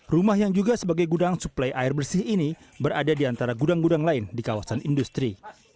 rumah yang juga sebagai gudang suplai air bersih ini berada di antara gudang gudang lain di kawasan industri